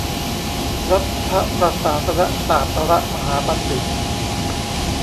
รัฐประศาสนศาตรมหาบัณฑิต